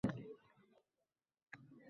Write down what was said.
Kech bog’dan sen uchun uzaman gilos.